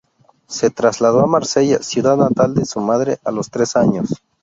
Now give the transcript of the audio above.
Se trasladó a Marsella, ciudad natal de su madre, a los tres años.